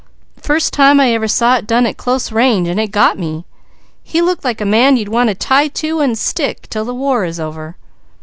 First time I ever saw it done at close range and it got me. He looked like a man you'd want to tie to and stick 'til the war is over.